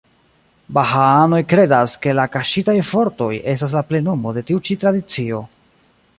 Bahaanoj kredas, ke la "Kaŝitaj Vortoj" estas la plenumo de tiu ĉi tradicio.